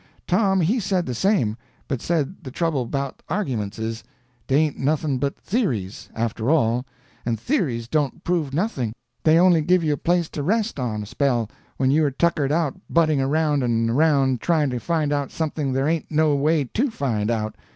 Tom he said the same, but said the trouble about arguments is, they ain't nothing but theories, after all, and theories don't prove nothing, they only give you a place to rest on, a spell, when you are tuckered out butting around and around trying to find out something there ain't no way to find out.